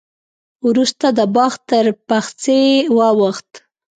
وروسته د باغ تر پخڅې واوښت.